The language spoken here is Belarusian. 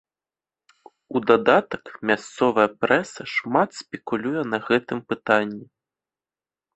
У дадатак, мясцовая прэса шмат спекулюе на гэтым пытанні.